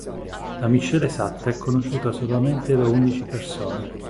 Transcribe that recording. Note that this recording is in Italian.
La miscela esatta è conosciuta solamente da undici persone.